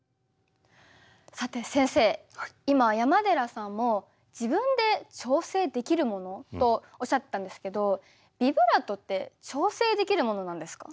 さて先生今山寺さんも自分で調整できるもの？とおっしゃってたんですけどビブラートって調整できるものなんですか？